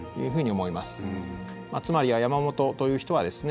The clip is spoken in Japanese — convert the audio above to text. つまりは山本という人はですね